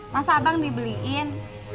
masa abang dibeliin